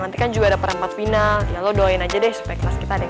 nanti kan juga ada perempat final ya lo doain aja deh speknas kita deh